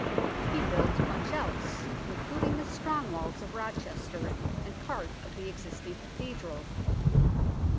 He built much else, including the strong walls of Rochester and part of the existing Cathedral.